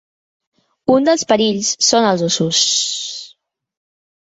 Un dels perills són els ossos.